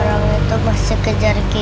orang itu masih kejar kita enggak